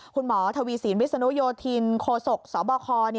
คุณหมอทวีสินวิศนุโยธินโคศกสบค